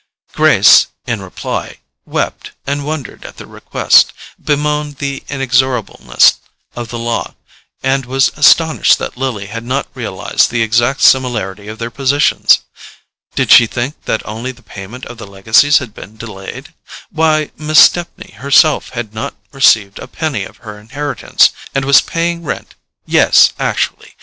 Grace, in reply, wept and wondered at the request, bemoaned the inexorableness of the law, and was astonished that Lily had not realized the exact similarity of their positions. Did she think that only the payment of the legacies had been delayed? Why, Miss Stepney herself had not received a penny of her inheritance, and was paying rent—yes, actually!